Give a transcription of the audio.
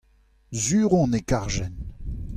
sur on e karjen.